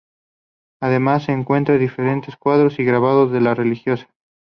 Además se encuentran diferentes cuadros y grabados de la religiosa.